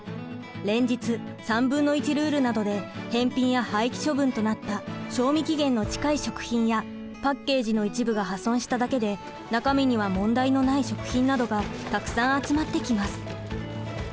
連日３分の１ルールなどで返品や廃棄処分となった賞味期限の近い食品やパッケージの一部が破損しただけで中身には問題のない食品などがたくさん集まってきます。